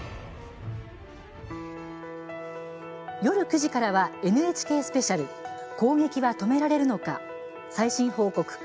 夜９時からは「ＮＨＫスペシャル攻撃は止められるのか最新報告